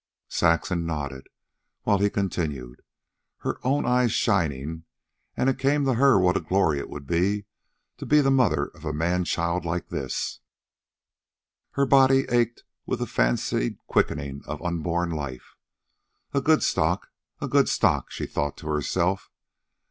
Saxon nodded, while he continued, her own eyes shining, and it came to her what a glory it would be to be the mother of a man child like this. Her body ached with the fancied quickening of unborn life. A good stock, a good stock, she thought to herself.